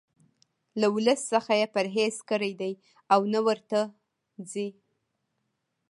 له ولس څخه یې پرهیز کړی دی او نه ورته ځي.